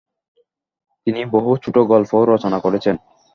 তিনি বহু ছোট গল্পও রচনা করেছেন।